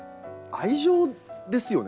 愛情ですよね。